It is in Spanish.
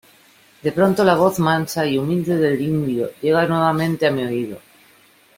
de pronto la voz mansa y humilde del indio llega nuevamente a mi oído.